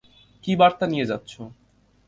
কি বার্তা নিয়ে যাচ্ছ?